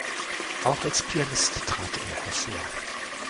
Auch als Pianist trat er hervor.